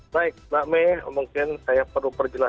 baik mbak may mungkin saya perlu perjelas